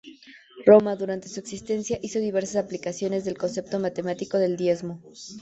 Roma, durante su existencia, hizo diversas aplicaciones del "concepto matemático del diezmo".